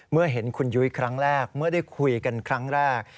เมื่อเห็นคุณยุ้ยครั้งแรกเมื่อได้คุยกันครั้งแรก